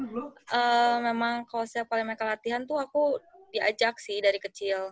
eee memang kalau siapal yang mereka latihan tuh aku diajak sih dari kecil